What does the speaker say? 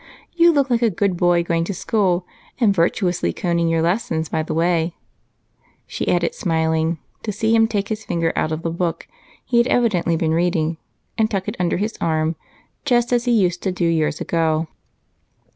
"You look like a good boy going to school, and virtuously conning your lesson by the way," she added, smiling to see him take his finger out of the book he had evidently been reading, and tuck it under his arm, just as he used to do years ago.